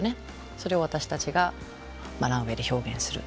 それを私たちがランウェイで表現する。